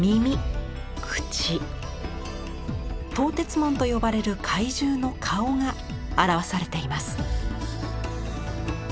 饕餮文と呼ばれる怪獣の顔が表されています。